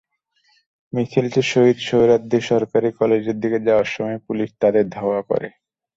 মিছিলটি শহীদ সোহরাওয়ার্দী সরকারি কলেজের দিকে যাওয়ার সময় পুলিশ তাদের ধাওয়া করে।